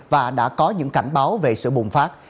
và đã có những cảnh báo về sự bùng phát